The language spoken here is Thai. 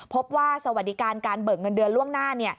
สวัสดิการการเบิกเงินเดือนล่วงหน้า